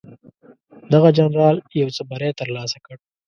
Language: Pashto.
دغه جنرال یو څه بری ترلاسه کړ.